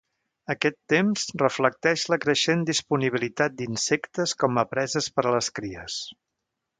Aquest temps reflecteix la creixent disponibilitat d'insectes com a preses per a les cries.